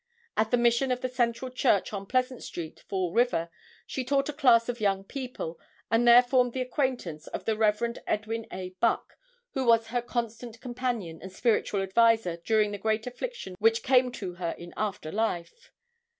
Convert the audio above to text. At the mission of the Central church on Pleasant street, Fall River, she taught a class of young people, and there formed the acquaintance of the Rev. Edwin A. Buck who was her constant companion and spiritual adviser during the great affliction which came to her in after life.